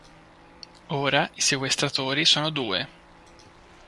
Ora i sequestratori sono due.